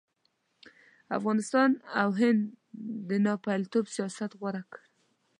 افغانستان او هند د ناپېلتوب سیاست غوره کړ.